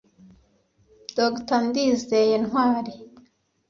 Dr Ndizeye Ntwari